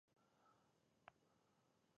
په سرو زرو کې د نصاب اندازه اووه نيمې تولې ده